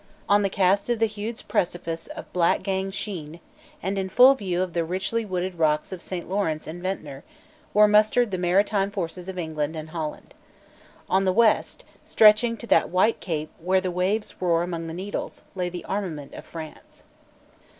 On the cast of the huge precipice of Black Gang Chine, and in full view of the richly wooded rocks of Saint Lawrence and Ventnor, were mustered the maritime forces of England and Holland. On the west, stretching to that white cape where the waves roar among the Needles, lay the armament of France.